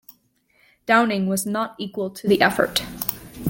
Downing was not equal to the effort.